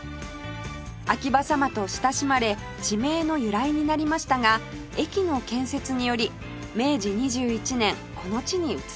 秋葉様と親しまれ地名の由来になりましたが駅の建設により明治２１年この地に移されました